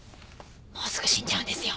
もうすぐ死んじゃうんですよ。